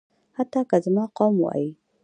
حتی که زما قوم وايي.